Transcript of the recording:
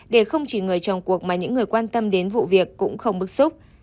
để không chỉ người trong cuộc mà những người quan tâm đến vụ việc cũng không bức xúc